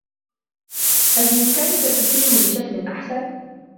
هل بإمكانك تفسيره بشكل أحسن ؟